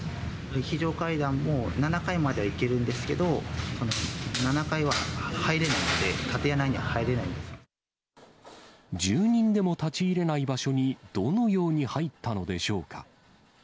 非常階段も、７階までは行けるんですけど、７階は入れないんで、住人でも立ち入れない場所に、どのように入ったのでしょうか。